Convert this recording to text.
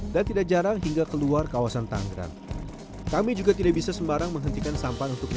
dan tidak jarang hingga keluar kawasan tangga kami juga tidak bisa sembarang menghentikan sampan untuk